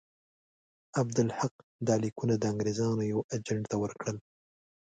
عبدالحق دا لیکونه د انګرېزانو یوه اجنټ ته ورکړل.